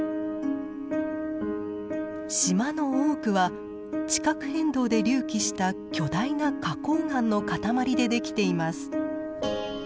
島の多くは地殻変動で隆起した巨大な花こう岩のかたまりでできています。